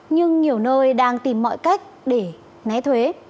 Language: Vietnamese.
nhưng nhiều nơi đang tìm mọi cách để né thuế